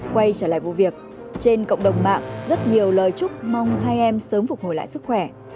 quay trở lại vụ việc trên cộng đồng mạng rất nhiều lời chúc mong hai em sớm phục hồi lại sức khỏe